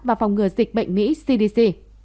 và phòng ngừa dịch bệnh mỹ cdc